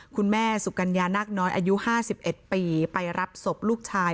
คุณแม่สุกัญญานักน้อยอายุ๕๑ปีไปรับศพลูกชาย